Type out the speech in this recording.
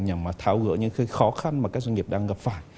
nhằm mà tháo gỡ những khó khăn mà các doanh nghiệp đang gặp phải